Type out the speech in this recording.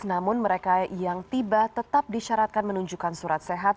namun mereka yang tiba tetap disyaratkan menunjukkan surat sehat